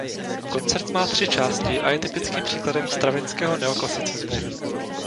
Koncert má tři části a je typickým příkladem Stravinského neoklasicismu.